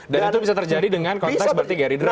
dan itu bisa terjadi dengan konteks berarti geridra